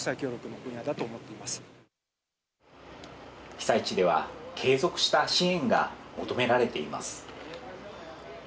被災地では継続した支援が求められています。